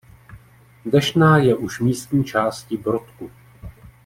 Dešná je už místní částí Brodku.